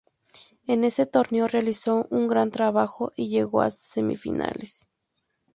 En ese torneo realizó un gran trabajo y llegó a semifinales.